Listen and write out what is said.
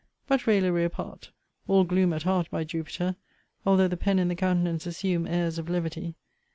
But raillery apart. [All gloom at heart, by Jupiter! although the pen and the countenance assume airs of levity!